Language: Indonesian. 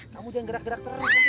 kamu jangan gerak gerak terlalu